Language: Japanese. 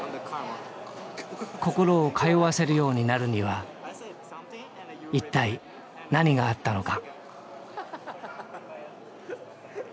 心を通わせるようになるには一体何があったのか？